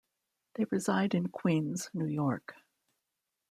They reside in Queens, New York.